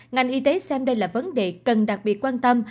ngành y tế xem đây là vấn đề cần đặc biệt quan tâm